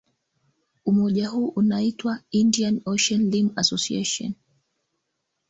Umoja huu unaitwa Indian Ocean Rim Association